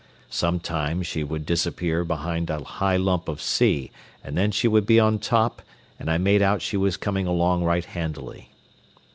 Sometimes she would disappear behind a high lump of sea and then she would be on top, and I made out she was coming along right handily.